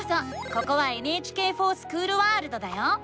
ここは「ＮＨＫｆｏｒＳｃｈｏｏｌワールド」だよ！